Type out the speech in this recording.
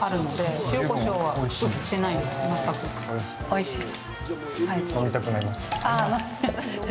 おいしい？